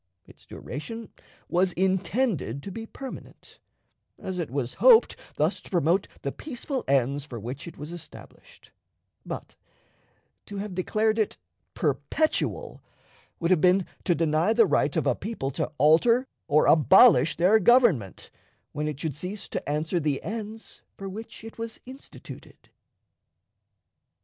Its duration was intended to be permanent, as it was hoped thus to promote the peaceful ends for which it was established; but, to have declared it perpetual, would have been to deny the right of a people to alter or abolish their government when it should cease to answer the ends for which it was instituted.